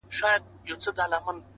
خپل ذهن له مثبت فکرونو ډک کړئ.!